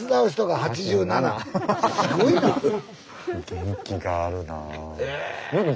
元気があるな。